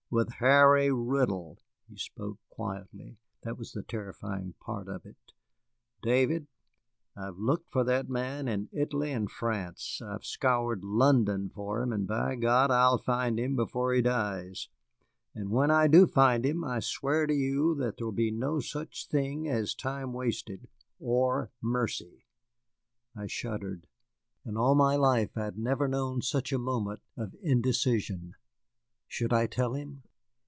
"With Harry Riddle." He spoke quietly, that was the terrifying part of it. "David, I've looked for that man in Italy and France, I've scoured London for him, and, by God, I'll find him before he dies. And when I do find him I swear to you that there will be no such thing as time wasted, or mercy." I shuddered. In all my life I had never known such a moment of indecision. Should I tell him?